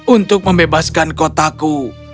untuk membebaskan kotaku